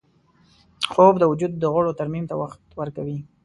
خوب د وجود د غړو ترمیم ته وخت ورکوي